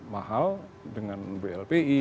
mahal dengan blpi